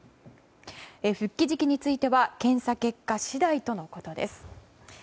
復帰時期については検査結果次第とのことです。